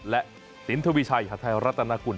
และสินธวิชัยธรรทนากุล